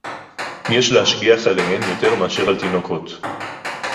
יֵשׁ לְהַשְׁגִּיחַ עֲלֵיהֶן יוֹתֵר מֵאֲשֶׁר עַל תִּינֹוקֹות